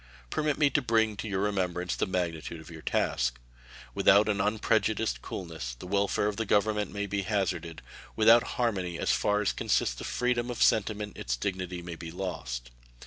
Permit me to bring to your remembrance the magnitude of your task. Without an unprejudiced coolness the welfare of the Government may be hazarded; without harmony as far as consists with freedom of sentiment its dignity may be lost.